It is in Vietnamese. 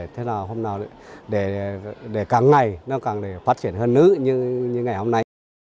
thế là hôm nào để càng ngày nó càng phát triển hơn nữa như ngày hôm nay